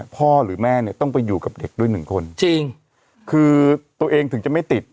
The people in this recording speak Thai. พ่อแม่เนี่ยต้องไปอยู่กับเด็กด้วยหนึ่งคนจริงคือตัวเองถึงจะไม่ติด